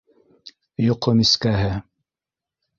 Йоҡо мискәһе.